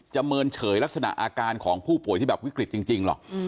เมินเฉยลักษณะอาการของผู้ป่วยที่แบบวิกฤตจริงหรอก